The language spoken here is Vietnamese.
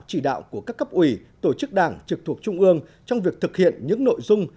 chỉ đạo của các cấp ủy tổ chức đảng trực thuộc trung ương trong việc thực hiện những nội dung